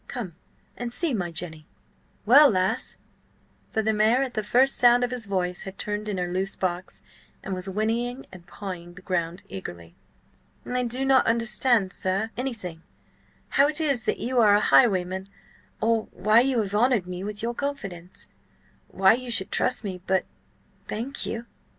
. Come and see my Jenny! Well, lass?" For the mare at the first sound of his voice had turned in her loose box, and was whinnying and pawing the ground eagerly. "I do not understand, sir, anything: how it is that you are a highwayman, or why you have honoured me with your confidence–why you should trust me. But—thank you."